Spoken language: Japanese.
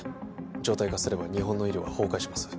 常態化すれば日本の医療は崩壊します